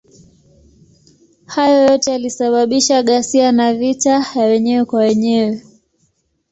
Hayo yote yalisababisha ghasia na vita ya wenyewe kwa wenyewe.